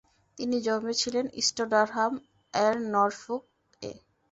তিনি জন্মে ছিলেন ইষ্ট ডারহাম এর নরফোক এ।